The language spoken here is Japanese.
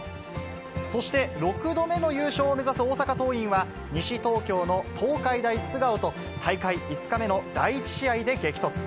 そして、６度目の優勝を目指す大阪桐蔭は、西東京の東海大菅生と大会５日目の第１試合で激突。